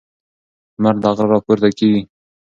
لمر له غره راپورته کیږي.